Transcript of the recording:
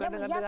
dengar dulu ya